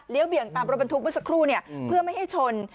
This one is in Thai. เลี้ยวเบี่ยงตามรถมันถูกมันสักครู่เพื่อไม่ให้ชน